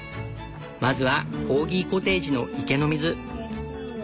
まずはコーギコテージの池の水。